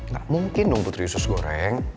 gak mungkin dong putri sus goreng